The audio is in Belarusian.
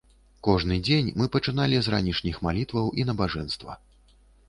Кожны дзень мы пачыналі з ранішніх малітваў і набажэнства.